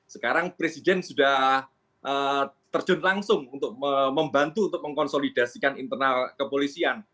sekarang presiden sudah terjun langsung untuk membantu untuk mengkonsolidasikan internal kepolisian